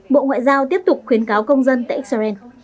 bộ ngoại giao tiếp tục khuyến cáo công dân tại israel